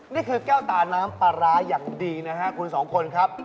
นี่คือแก้วตาน้ำปลาร้าอย่างดีนะฮะคุณสองคนครับ